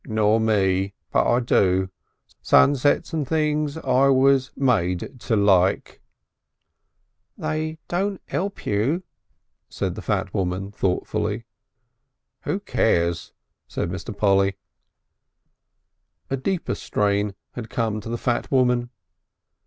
"Nor me. But I do. Sunsets and things I was made to like." "They don't 'elp you," said the fat woman thoughtfully. "Who cares?" said Mr. Polly. A deeper strain had come to the fat woman.